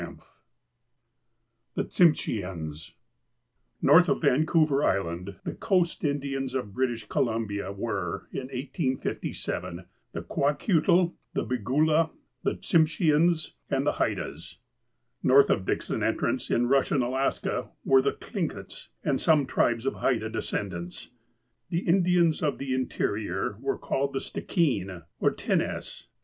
I( VIII THE TSIMSHEANS NOETH of Vancouver Island, the coast Indians of British Columbia were, in 1857, the ''Kwa kiutl," the "Bilgula," the "■ Tsimsheans," and the "Haidas." North of Dixon Entrance, in Eussian Alaska, were the "Thliugits" and some tribes of "Haida" descendants. The Indians of the interior were called the " Stikeen " or " Tinnehs."